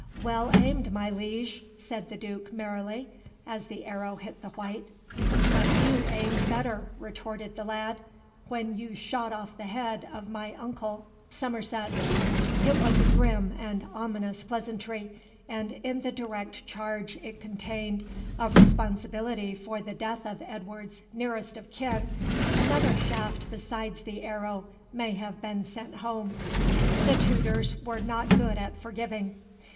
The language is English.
"Well aimed, my liege," said the Duke merrily, as the arrow hit the white. "But you aimed better," retorted the lad, "when you shot off the head of my uncle Somerset." It was a grim and ominous pleasantry, and in the direct charge it contained of responsibility for the death of Edward's nearest of kin another shaft besides the arrow may have been sent home. The Tudors were not good at forgiving.